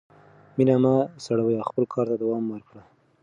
مینه مه سړوه او خپل کار ته دوام ورکړه.